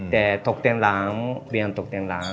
แต่ตกแต่งร้านเรียนตกแต่งร้าน